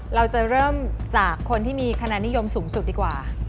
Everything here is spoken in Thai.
เราจะเริ่มจากคนที่มีคะแนนนิยมสูงสุดดีกว่า